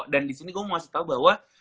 dan disini gue mau kasih tau bahwa